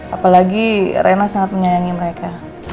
apalagi rena sangat menyayangi mereka